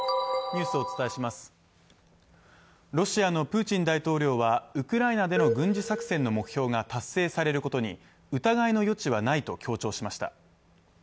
ロシアのプーチン大統領は、ウクライナでの軍事作戦の目標が達成されることに疑いの余地はないと強調しました。